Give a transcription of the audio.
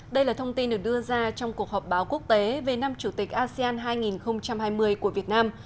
đây là thông tin được đưa ra trong cuộc họp báo quốc tế về năm chủ tịch asean hai nghìn hai mươi của việt nam